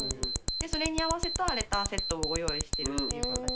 それに合わせたレターセットをご用意してるっていう形ですね。